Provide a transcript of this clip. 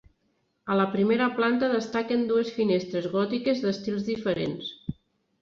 A la primera planta destaquen dues finestres gòtiques d'estils diferents.